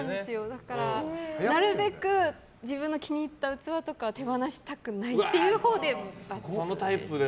だから、なるべく自分の気に入った器とかは手放したくないほうで。